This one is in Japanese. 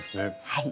はい。